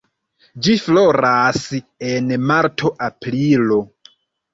Ĝi floras en marto-aprilo.